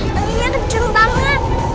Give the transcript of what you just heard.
tengahnya kenceng banget